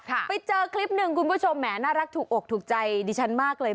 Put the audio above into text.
ไปเจอคลิปหนึ่งคุณผู้ชมแหมน่ารักถูกอกถูกใจดิฉันมากเลย